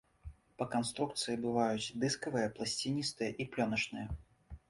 Па канструкцыі бываюць дыскавыя, пласціністыя і плёначныя.